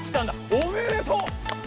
おめでとう！